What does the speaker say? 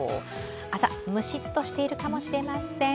朝、ムシッとしているかもしれません。